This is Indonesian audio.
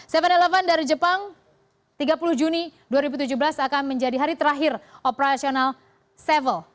tujuh eleven dari jepang tiga puluh juni dua ribu tujuh belas akan menjadi hari terakhir operasional tujuh